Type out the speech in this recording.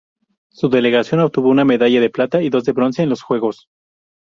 Su delegación obtuvo una medalla de plata y dos de bronce en los juegos.